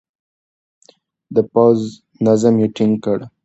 د پوځ نظم يې ټينګ کړ.